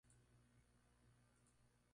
Es hija de padre chileno y madre mexicana.